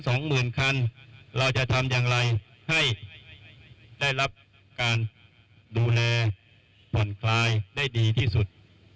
สองหมื่นคันเราจะทำอย่างไรให้ได้รับการดูแลผ่อนคลายได้ดีที่สุด